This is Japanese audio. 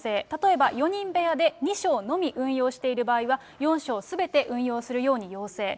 例えば４人部屋で２床のみ運用している場合は４床すべて運用するように要請。